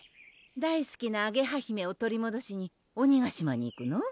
大すきなあげは姫を取りもどしに鬼ヶ島に行くの？